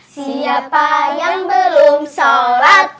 siapa yang belum sholat